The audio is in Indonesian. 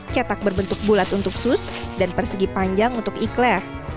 cetak berbentuk bulat untuk sus dan persegi panjang untuk ikhlaq